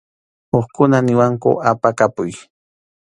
Hukkuna niwanku apakapuy.